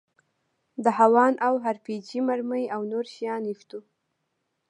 د هاوان او ار پي جي مرمۍ او نور شيان ږدو.